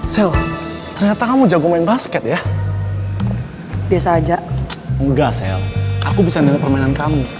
sel ternyata kamu jago main basket ya biasa aja enggak sel aku bisa melihat permainan kamu